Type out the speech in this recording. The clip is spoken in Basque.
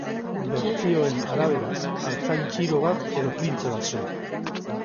Bertsioen arabera, artzain txiro bat edo printze bat zen.